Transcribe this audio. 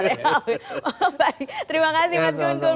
baik terima kasih mas gunggul